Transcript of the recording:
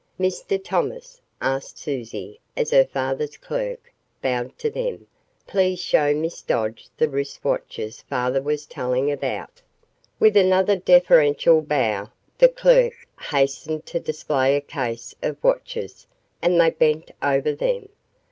"Mr. Thomas," asked Susie as her father's clerk bowed to them, "please show Miss Dodge the wrist watches father was telling about." With another deferential bow, the clerk hastened to display a case of watches and they bent over them.